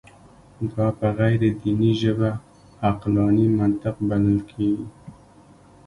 دا په غیر دیني ژبه عقلاني منطق بلل کېږي.